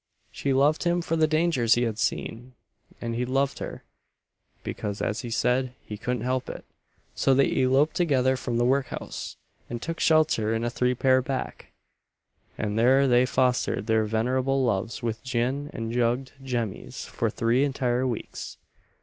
"She loved him for the dangers he had seen, and he loved her" because, as he said, he couldn't help it. So they eloped together from the workhouse, and took shelter in a three pair back, and there they fostered their venerable loves with gin and jugg'd jemmies for three entire weeks.